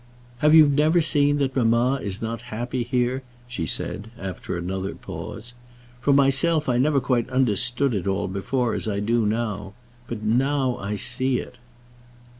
"Have you never seen that mamma is not happy here?" she said, after another pause. "For myself, I never quite understood it all before as I do now; but now I see it."